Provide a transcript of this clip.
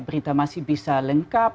berita masih bisa lengkap